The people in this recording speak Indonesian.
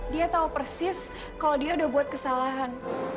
dia tahu persis kalau dia udah buat kesalahan